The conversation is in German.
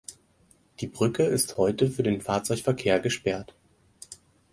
Die Brücke ist heute für den Fahrzeugverkehr gesperrt.